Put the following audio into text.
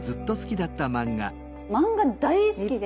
漫画大好きで！